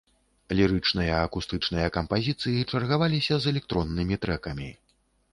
Лірычныя акустычныя кампазіцыі чаргаваліся з электроннымі трэкамі.